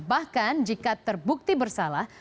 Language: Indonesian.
bahkan jika terbukti bersalah